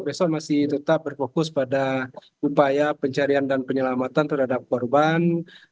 besok masih tetap berfokus pada upaya pencarian dan penyelamatan terhadap korban